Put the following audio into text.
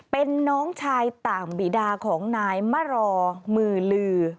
เป็นน้องชายต่างบีดาของนายมารอมือลือ